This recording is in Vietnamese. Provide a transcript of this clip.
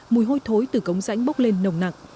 mùi hôi thối từ cống rãnh bốc lên nồng nặng